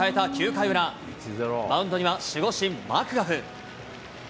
９回裏、マウンドには守護神、マクガフ。